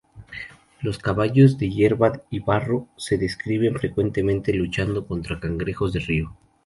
Los caballos de hierba y barro se describen frecuentemente luchando contra "cangrejos de río".